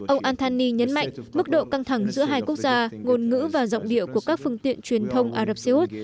ông antani nhấn mạnh mức độ căng thẳng giữa hai quốc gia ngôn ngữ và giọng điệu của các phương tiện truyền thông ả rập xê út